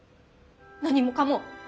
何もかも。